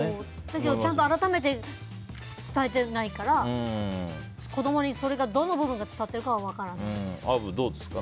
だけど、ちゃんと改めて伝えてないから子供に、それがどの部分が伝わってるかはアブ、どうですか？